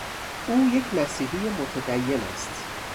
او یک مسیحی متدین است.